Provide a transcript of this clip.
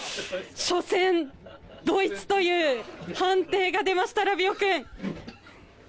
初戦、ドイツという判定が出ました、ラビオ君。